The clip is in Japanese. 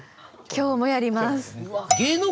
今日もやります。